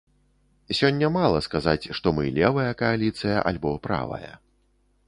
Сёння мала сказаць, што мы левая кааліцыя альбо правая.